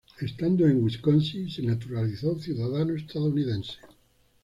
Estando en Wisconsin se naturalizó ciudadano estadounidense.